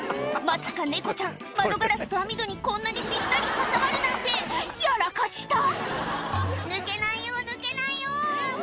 まさか猫ちゃん窓ガラスと網戸にこんなにぴったり挟まるなんてやらかした「抜けないよ抜けないよ」